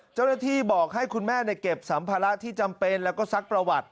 เจ้าหน้าที่บอกให้คุณแม่เก็บสัมภาระที่จำเป็นแล้วก็ซักประวัติ